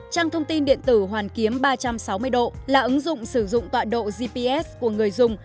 trang thông tin điện tử hoàn kiếm ba trăm sáu mươi độ là ứng dụng sử dụng tọa độ gps của người dùng